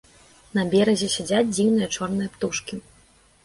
На беразе сядзяць дзіўныя чорныя птушкі.